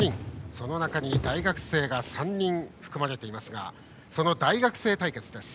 その中に大学生が３人含まれていますがその大学生対決です。